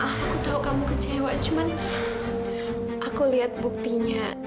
aku tahu kamu kecewa cuman aku lihat buktinya